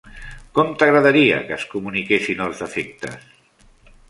Com t'agradaria que es comuniquessin els defectes?